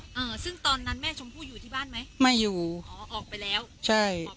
อ่าซึ่งตอนนั้นแม่ชมพู่อยู่ที่บ้านไหมไม่อยู่อ๋อออกไปแล้วใช่ออก